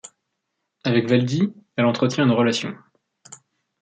Avec Valdi, elle entretient une relation.